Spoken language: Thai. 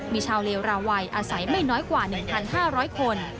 มีชาวเลวราวัยอาศัยไม่น้อยกว่า๑๕๐๐คน